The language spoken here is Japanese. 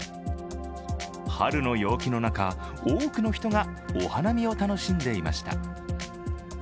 春の陽気の中、多くの人がお花見を楽しんでいました。